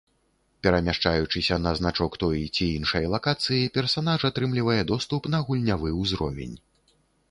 Перамяшчаючыся на значок той ці іншай лакацыі персанаж атрымлівае доступ на гульнявы ўзровень.